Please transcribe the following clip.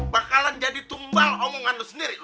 bakalan jadi tumbal omongan lo sendiri lo tau